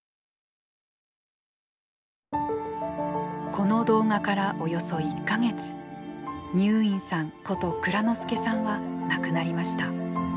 この動画からおよそ１か月にゅーいんさんこと蔵之介さんは亡くなりました。